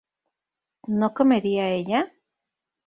¿no comería ella?